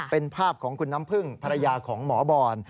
เป็นภาพของคุณน้ำพึ่งภรรยาของหมอบอล